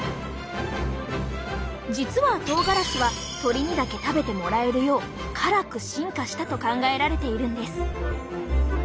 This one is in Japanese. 実はとうがらしは鳥にだけ食べてもらえるよう辛く進化したと考えられているんです。